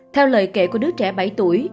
theo lời kể của đứa trẻ bảy tuổi